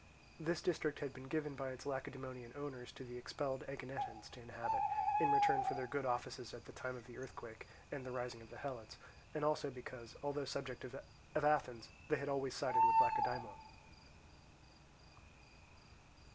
This district had been given by its Lacedaemonian owners to the expelled Aeginetans to inhabit, in return for their good offices at the time of the earthquake and the rising of the Helots; and also because, although subjects of Athens, they had always sided with Lacedaemon.